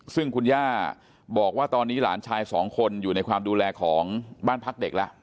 ซึ่งคุณย่าบอกว่าตอนนี้หลานชายสองคนอยู่ในความดูแลของบ้านพักเด็กแล้ว